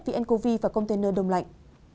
vì ncov và container đông lạnh